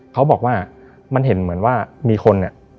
เขาบอกว่ามันเห็นเหมือนว่ามีคนเนี่ย